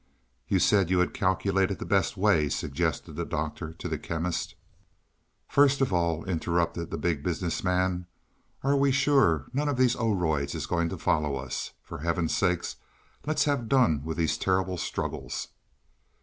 "You said you had calculated the best way," suggested the Doctor to the Chemist. "First of all," interrupted the Big Business Man. "Are we sure none of these Oroids is going to follow us? For Heaven's sake let's have done with these terrible struggles."